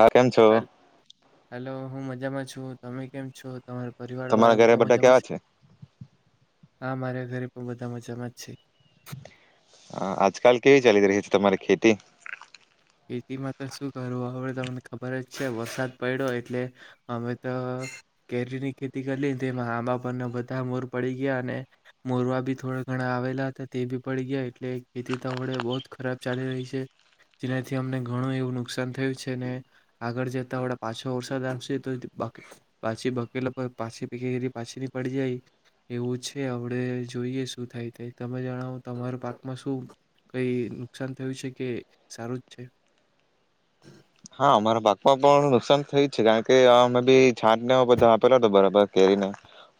હા કેમ છો [inaudible] હલો હું મજામાં છું તમે કેમ છો તમારા પરિવાર તમારા વાળા ઘરે બધા મજામાં કેવા છે આ મારા ઘરે પણ બધા મજામાં જ છે હ આજકાલ કેવી ચાલી રહી છે તમારી ખેતી ખેતીમાં તો શું કરું હવે તમને ખબર જ છે વરસાદ પડ્યો એટલે અમે તો કેરીની ખેતી કરીમાં આંબા પરના બધા મોર પડી ગયા અને મોરવા બી થોડા ઘણા આવેલા હતા તે બી પડી ગયા એટલે ખેતી તો હવડે બો જ ખરાબ ચાલી રહી છે જેનાથી અમને ઘણું એવું નુકસાન થયું છે ને આગળ જતા હવડા પાછો વરસાદ આવશે તો પાછી બકેલા પાછી પ પાછી ની પડી જાય એવું છે હવડે જોઈએ શું થાય થાય તમે જણાવો તમારા પાકમાં શું કઈ નુકસાન થયું છે કે સારું જ છે હા અમારા પાકમાં પણ નુકસાન થયું જ છે કારણ કે આ અમે બી છાતને બધા આપેલો હતો બરાબર કેરીને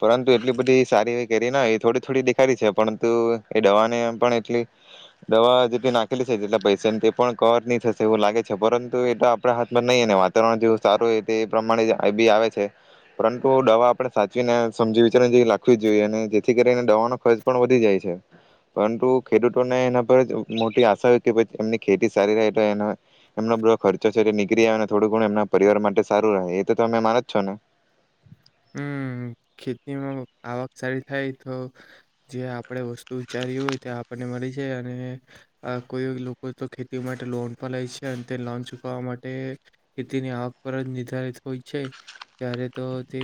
પરંતુ એટલી બધી સારી એ કેરી ના એ થોડી થોડી દેખારી છે પરંતુ એ દવાનેમ પણ એટલી દવા જેટલી નાખેલી છે જેટલા પૈસાને તે પણ કવર નહી થશે એવું લાગે છે પરુ તું એ આપ હાથમાં નહી વાતાવરણ જે સારું હો એ પ્રમાણે જ બી આવે છે પરંતુ દવા આપણે સાચવીને સમજી વિચાર લાખવી જોઈએ અને જેથી કરીને દવાનો ખર્ચ પણ વધી જાય છે પરંતુ ખેડૂતોને એના પર મોટી આશા કે એમની ખેતી સારી રહે તો એમના ખર્ચો છે એ નીકળી આવે અને થોડું ઘણુ એમના પરિવાર માટે સારું રહે એ તો તમે માનો છો ને હમ ખેતીમાં આવક સારી થાય તો જે આપણે વસ્તુ વિચારી્યું હોય તે આપણને મળી છે અને કોઈ લોકો તો ખેતી માટે લોન પર લે છે અને તે લોન ચુકવવા માટે ખેતીની આવક પર જ નિર્ધારિત હોય છે ત્યારે તો તે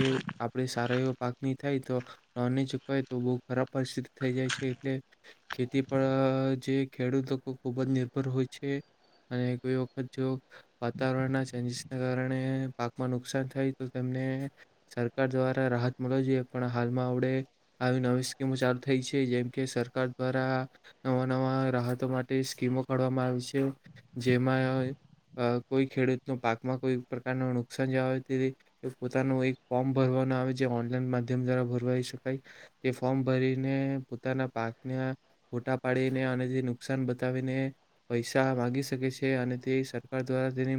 આપણે સારા એવો પાક નહી થાય તો લોન ન ચૂકવાય તો બહુ ખરાબ પરિસ્થિત થઈ જાય છે એટલે ખેતી પર જે ખેડૂત લોકો ખૂબ જ નિર્ભર હોય છે અને કોઈ વખત જો વાતાવરણના ચેન્જીસને કારણે પાકમાં નુકસાન થાય તો તેમને સરકાર દ્વારા રાહત મળવી જોઈએ પણ હાલમાં અવડે આવી નવી સ્કીમો ચાલુ થઈ છે જેમ કે સરકાર દ્વારા નવા નવા રાહતો માટે સ્કીમો કાઢવામાં આવી છે જેમાં કોઈ ખેડૂતનો પાકમાં કોઈ પ્રકારનું નુકસાન જવા પોતાનું એક ફોર્મ ભરવાનો આવે જે ઓનલાઈન માધ્યમ દ્વારા ભરવાઈ શકાય તે ફોર્મ ભરીને પોતાના પાકના ફોટા પાડીને અને તે નુકસાન બતાવીને પૈસા માગી શકે છે અને તે સરકાર દ્વારા તેની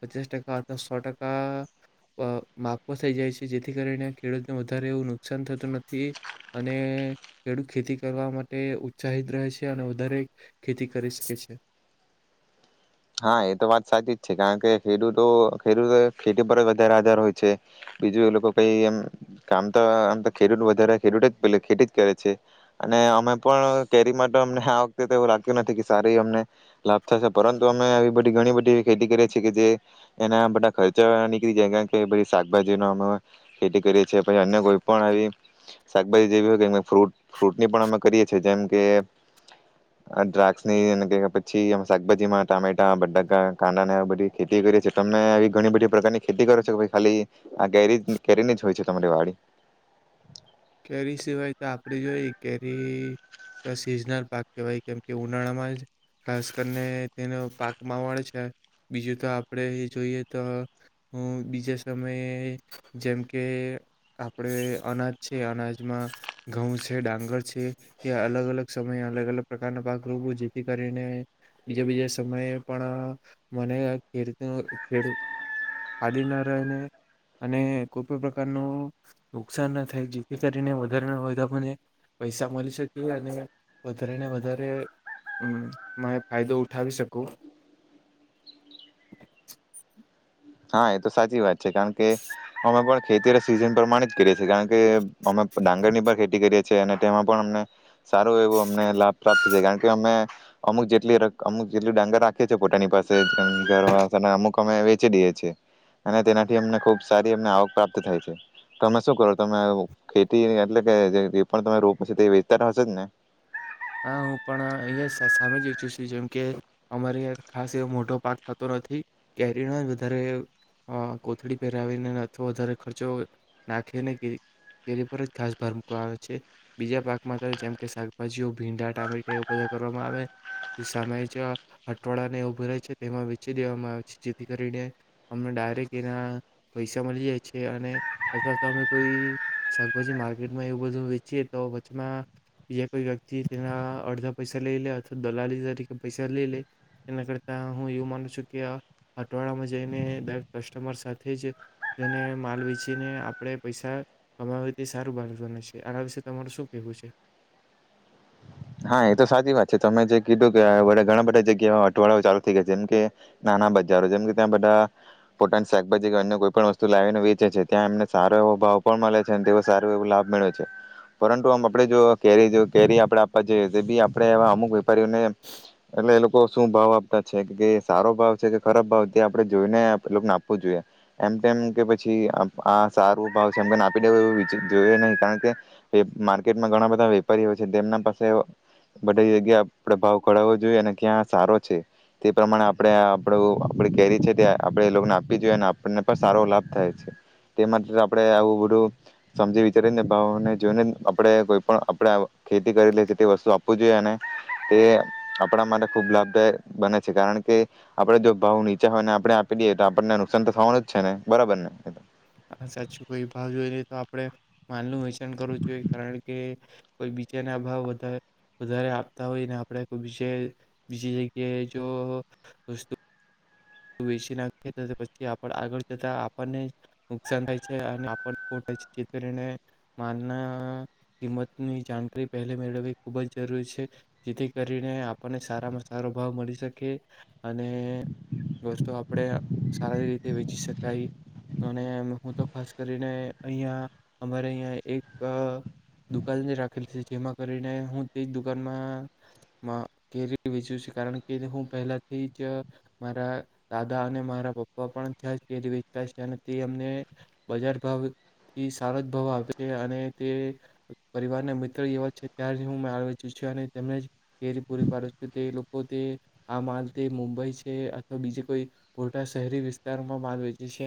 પચાસ ટકા અથવા સો ટકા માપ થઈ જાય છે જેથી કરીને ખેડૂતને વધારે એવું નુકસાન થતું નથી અને ખેડૂત ખેતી કરવા માટે ઉત્સાહિત રહે છે અને વધારે ખેતી કરી શકે છે હા એ તો વાત સાચી જ છે કારણ કે ખેડૂતો ખેડૂતો ખેતી પર જ વધારે આધાર હોય છે બીજું એ લોકો કઈ એમ કામ તો આમ તો ખેડૂત વધારે ખેડૂત જ ખેતી જ કરે છે અને અમે પણ કેરી માટે અમને આ વખતે એવું લાગ્યું નથી કે સારી અમને લાભ થશે પરં તુ અમે આવી બધી ઘણી બધી એવી ખેતી કરીએ છીએ કે જે એના બધા ખર્ચા નીકળી જાય કારણ કે શાકભાજી નો અમે ખેતી કરીએ છીએ પછી અન્ય કોઈ પણ આવી શાકભાજી જેવી હોય ફ્રૂટ ફ્રૂટની પણ અમે કરીએ છીએ જેમ કે દ્રાક્ષ ની એ ના પછી શાકભાજીમાં ટામેટા બટાકા કાંડા ને બધી ખેતી કરીએ છીએ તમે એ ઘણી બધી પ્રકારની ખેતી કરો છો ખાલી આ કેરી કેરીની જ હોય છે તમારી વાડી કેરી સિવાય તો આપણે જોઈએ કેરી તો સિઝનલ પાક કહેવાય કેમકે ઉનાળામાં જ ખાસ કરીને તેનો પાકમાં વળ છે બીજું તો આપણે જોઈએ તો હુ બીજા સમયે જેમ કે આપણે અનાજ છે અનાજમાં ઘઉં છે ડાંગર છે એ અલગ અલગ સમયે અલગ અલગ પ્રકારના પાક રોપુ જેથી કરીને બીજા બીજા સમયે પણ મને ખેડ ખાદી ના રહેને અને કોઈ પણ પ્રકાર ણુ નુકસાન ન થાઈ જેથી કરીને વધારે ને વધારે મને પૈસા મળી શકે અને વધારેને વધારે માને ફાયદો ઉઠાવી શકું હા એ તો સાચી વાત છે કારણ કે અમે પણ ખેતી સિઝન પ્રમાણે કર્યે કારણ કે અમે ડાંગર ની પણ ખેતી કરીએ છે અને તેમાં પણ અમને સારું એવું અમને લાભ પ્રાપ્ત છે કારણ કે અમે અમુક જેટલી અમુક જેટલું ડાંગર રાખીએ છીએ પોતાની પાસે ઘર વાને અમુક અમે વેચી દઈએ અને તેનાથી અમને ખુબ સારી એમને આવક પ્રાપ્ત થાય છે તો તમે શું કરો તમે ખેતી એટલે કે પણ તમે રો તે વેચતા હશે જ ને હા હું પણ અહીિયાં સામે જ વેચું છું જેમ કે અમારે ખાસ એવો મોટો પાક થતો નથી કેરીનો જ વધારે કોથળી પહેરાવીને અથવા વધારે ખર્ચો નાખીને કેરી પર જ ખાસ ભાર મૂકવા આવે છે બીજા પાકમાં તો જેમ કે શાકભાજીઓ ભીંડા ટામેટા એવ બધા કરવામાં આવે સામે જ હઠવાડાને એવું ભરાય છે તેમાં વેચી દેવામાં આવે છે જેથી કરીને અમને ડાયરેક્ટ એના પૈસા મળી જાય છે અને અથવા તો અમે કોઈ શાકભાજી માર્કેટમાં એવું બધું વેચીએ તો વચમાં બીજ કોઈ વ થી તેના અડધા પૈસા લઈ લે અથવા દલાલી તરીકે પૈસા લઈ લે એના કરતા હું એવું માનું છું કે આ અટવાડામાં જઈને દરેક કસ્ટમર સાથે જ તેને માલ વેચીને આપણે પૈસા કમાવે તે સારું બાંધવાને છે આના વિશે તમારે શું કહેવું છે હા એ તો સાચી વાત છે તમે જે કીધું કે વડે ઘણા બધા જગ્યા હઠવાડઓ ચાલુ થઈ ગયા છે જેમ કે નાના બજારો જેમ કે ત્યાં બધા પોટન શાકભાજી કે અન્ય કોઈ પણ વસ્તુ લાવીને વેચે છે ત્યાં એમને સારો એવો ભાવ પણ મળે છે અને તેો સારો એવો લાભ મળે છે પરંતુ આમ આપડે જો કેરી કેરી આપણે પ બી આપડે એવા અમુક વેપારીઓને એટલે એ લોકો શું ભાવ આપતા છે કે સારો ભાવ છે કે ખરાબ ભાવ તે આપણે જોઈને લોકોને આપવું જોઈએ એમ તેમમ કે પછી આ સારું ભાવ છેમ કે આપી દેવ એવ જોઈએ નહી કારણ કે માર્કેટમાં ઘણા બધા વેપારીઓ છે તેમના પાસે બધી જગ્યા આપણે ભાવ કડાવવો જોઈએ અને ક્યાં સારો છે તે પ્રમાણે આપણે આપણ આપની કેરી છે તે આપણે એ લોકોને આપી જોઈએ અને આપણને પણ સારો લાભ થાય છે તે માટે આપણે આવું બધું સમજી વિચારીને ભાવને જોઈનેને આપે કોઈ પણ આપણે ખેતી કરી લે તે વસ્તુ આપવું જોઈએ અને તે આપણા માટે ખુબ લાભદાય બને છે કારણ કે આપણેે જો ભાવ નીચા હોયને આપણે આપી દઈએ તો આપણને નુકસાન તો થવાનું જ છે ને બરાબર ને સાચું કોઈ ભાવ જોઈ તો આપણે માલનું વેચાણ કરવું જોઈએ કારણ કે કોઈ બીજાને ભાવ વધારે આપતા હોયને આપણે કોઈ બીજ બીજી જગ્યાએ જો વતું વેચી નાખે પછી આપ આગળ જતા આપણને નુકસાન થાય છે અને આપણનેાય છે જે કરીને માલના કિંમતની જાણકારી પહેલા મેળવવી ખૂબ જ જરૂરી છે જેથી કરીને આપણને સારામાં સારો ભાવ મળી શકે અને વસ્તુ આપણે સારી રીતે વેચી શકાય અને હું તો ખાસ કરીને અહિયા અમારે અહીં એક દુકાન જ રાખેલી છે જેમાં કરીને હું તે જ દુકાનમાં કેરી વેચું છે કારણ કે હું પહેલાથી જ મારા દાદા અને મારા પપ્પા પણ ત્યાંજ કેરી વેચતા છે અને તે અમને બજાર ભાવથી સારો જ ભાવ આવે છે અને તે પરિવારના મિત્ર જેવા છે તં જ હું માલ વેચું છ અને તેમને કેરી પૂરી પાડું છું તે લોકો તે આ માલ મુંબઈ છે તો બીજ કોઈ મોટા શહેરી વિસ્તારોમાં માલ વેચે છે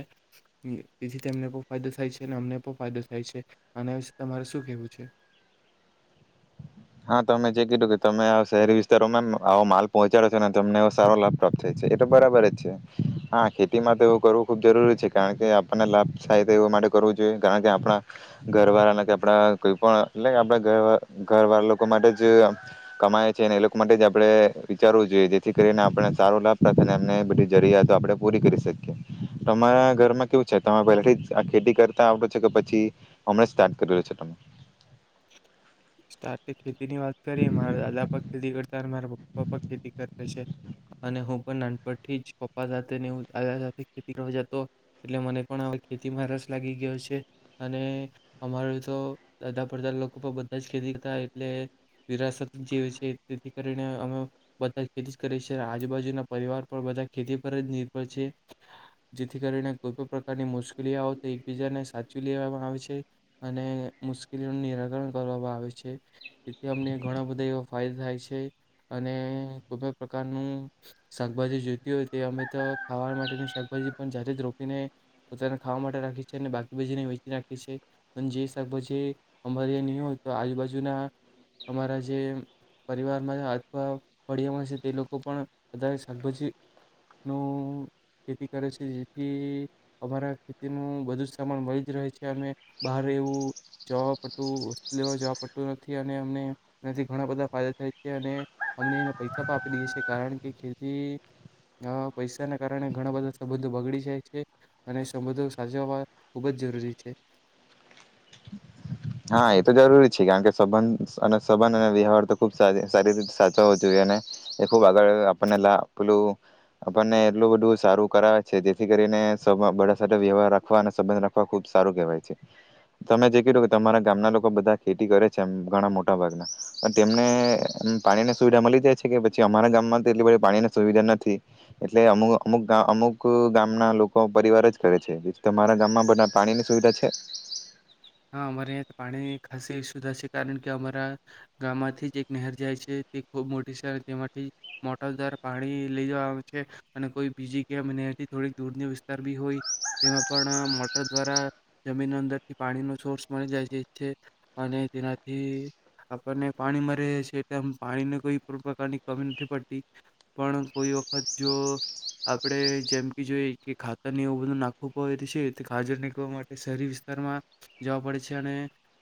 તેથી તેમને પણ ફાયદો થાય છે અને અમને પણ ફાયદો થાય છે આના વિશે તમારે શું કેવું છે હા તમે જે કીધુ તમે આ શહેરી વિસ્તારોમાં આવો માલ પહોચાડો છો ને તમને સારો લાભ પ્રાપ્ત થાય છે એ તો બરાબર જ છે હા ખેતી માટે એવું કરવું ખુબ જરૂરી છે કારણ કે આપણને લાભ સાય એ માટે કરવો જોઈએ કારણ કે આપણા ઘર વાળા કે આપણા કોઈ પણ એટલે આપના ઘર વાળા લોકો માટે જ કમાય છે અનેને એ લોકો માટે જ આપણે વિચારવું જોઈએ જેથી કરીને આપને સારો લાભ પ્રાપત થાઈ એમને બધી જરૂિયાતો આપણે પૂરી કરી શકીએ તમારા ઘરમાં કેવું છે તમે પહેલાથી આ ખેતી કરતા આવો છ કે પછી હમ સ્ટાર્ટ કરલો છે ખેતી ની વાત કરી મારા દાદા પણ ખેતી કરતા મારા પપ્પા ખેતી કરે છે અને હું પણ નાનપણથી જ પપ્પા સાથે ને હ દાદા સાથે ખેતી કરવા જતો એટલે મને પણ ખેતીમાં રસ લાગી ગયો છે અને અમારો તો દા દાદા લોકો પણ બધા જ ખેતી કરતા એટલે વિરાસત જેવી છે તેથી કરીને અમે બધા જ ખેતી કરીએ છીએ આજુબાજુના પરિવાર પણ બધા ખેતી પર જ નિર્ભર છે જેથી કરીને કોઈ પણ પ્રકારની મુશ્કેલીઓ તો એકબીજાને સાચવી લેવામાં આવે છે અને મુ નુ નિરાકરણ કરવામાં આવે છે તેથી અમને ઘણા બધા એવા ફાયદા થાય છે અને કોઈ પણ પ્રકારનું શાકભાજી જોઈતી હોય તે અમે તો ખાવા માટેની શાકભાજી પણ જાતે જ રોપીને પોતાના ખાવા માટે રાખી છે અને બાકી બાજીને વેચી નાખી છી અને જે શાકભાજી અમારી નહીં હોય તો આજુબાજુના અમારા જે પરિવારમાં અથવા ફડિયામાં છે તે લોકો પણ વધારે શાકભાજી નું ખેતી કરે છે જેથી અમારા ખેતીનું બધું જ સામાન મળી જ રહે છે અને બહાર રેવું જોબ લેવા જવા પડતું નથી અને અમને એથી ઘણા બધા ફાયદા થાય છે અને અમને એ પૈસા પણ આપી દે છે કારણ કે ખેતી પૈસાના કારણે ઘણા બધા સંબંધો બગડી જાય છે અને સંબંધો સાચવવા ખૂબ જ જરૂરી છે હા એતો જરૂરી છે કારણ કે સબંધ અને સંબંધ અને વ્યવહાર તો ખુબ સારી રીતે સાચવો જોઈએ અને એ ખુબ આગળ આપણને લા પેલું આપણને એટલું બધું સારું કરાવે છે જેથી કરીને બધા સાથે વ્યવહાર રાખવા અને સંબંધ રાખવા ખુબ સારું કેહેવાય છે તમે જે કીધું તમારા ગામના લોકો બધા ખેતી કરે છેમ ઘણા મોટા ભાગના પણ તેમને પાણીની સુવિધા મળી જાય છે કે પછી અમારા ગામમાં તો એટલી બધી પાણીની સુવિધા નથી એટલે અમુ અમુક અમુક ગામના લોકો પરિવાર જ કરે છે તમારા ગામમાં બધા પાણીની સુવિધા છે હા અમારે અહિયાં પાણીની ખાસી સુવિધા છે કારણ કે અમારા ગામમાંથી જ એક નહેર જાય છે તે ખૂબ મોટી છે તેમાંથી મોટર દ્વારા પાણી લઈ જેવા આવે છે અને કોઈ બીજી કેમ નહેર થી થોડી દૂરની વિસ્તાર બી હોય તેમાં પણ મોટર દ્વારા જમીન ના અંદર પાણીનો સોર્સ મળી જાય છે છે અને તેનાથી આપણને પાણી મળ છે એટલ પાણીને કોઈ પણ પ્રકારની કમી નથી પડતી પણ કોઈ વખત જો આપણે જેમ કે જોઈ કે ખાતરની એવું બધું નાખવું પડ છે ખાજર નીકવા માટે શહેરી વિસ્તારમાં જવા પડે છે અને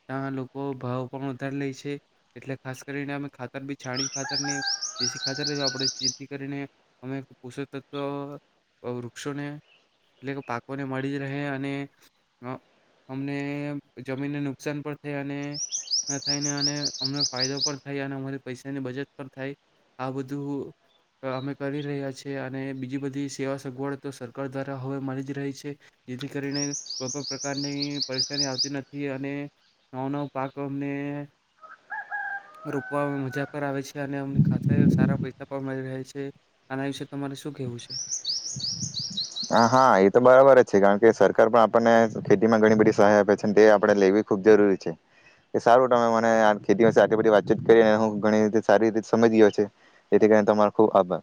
ત્યાં લોકો ભાવ પણ વધારે લે છે એટલે ખાસ કરીને અમે ખાતર બી છાણીયુ ખાતર ની દેશી ખાતર જવા પડે જેથી કરીને અમે પોષક તત્વ વૃક્ષોને એટલે કે પાકોને મળી રહે અને અમને જમીનને નુકસાન પણ થાય અને થાયને અને અમને ફાયદો પણ થાય અને અમારી પૈસાની બજત પણ થાય આ બધું અમે કરી રહ્યા છીએ અને બીજી બધી સેવા સગવડ તો સરકાર દ્વારા હવે મળી જ રહી છે જેથી કરીને પ્રોપર પ્રકારની પરેશાની આવતી નથી અને નવો નવો પાક અમને રોપવા મજા પર આવે છે અને અમને ખાસ સારા પૈસા પણ મળી રહે છે આના વિશે તમારે શું કેવું છે? હા હા એ તો બરાબર જ છે કારણ કે સરકાર પણ આપણને ખેતીમાં ઘણી બધી સહાય આપે છે તે આપે લેવી ખૂબ જરૂરી છે કે સારું તમે મને ખેતીમાં બધી વાતચીત કરી હું ઘણી રી સારી રીતે સમજી ગયો છે જેથી કરીને તમારો ખૂબ આભાર.